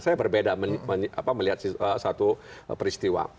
saya berbeda melihat satu peristiwa